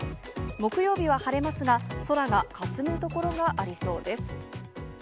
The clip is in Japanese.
木曜日は晴れますが、空がかすむ所がありそうです。